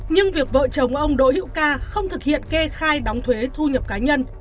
nhưng việc vợ chồng ông đỗ hữu ca không thực hiện kê khai đóng thuế thu nhập cá nhân